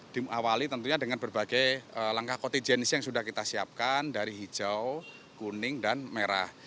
diawali tentunya dengan berbagai langkah kontijenis yang sudah kita siapkan dari hijau kuning dan merah